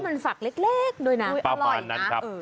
มันฝักเล็กด้วยนะอร่อยนะ